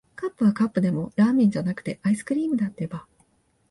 カップはカップでも、ラーメンじゃなくて、アイスクリームだってば。